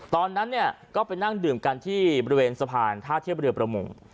ตอนนั้นเนี่ยก็ไปนั่งดื่มกันที่บริเวณสะพานท่าเทียบเรือประมง